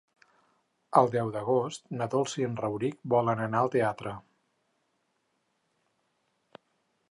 El deu d'agost na Dolça i en Rauric volen anar al teatre.